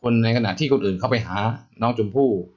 ในขณะที่คนอื่นเข้าไปหาน้องชมพู่